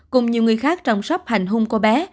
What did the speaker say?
cùng nhiều người khác trong suốt hành hung cô bé